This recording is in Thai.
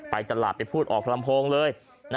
ไปตลาดไปพูดออกลำโพงเลย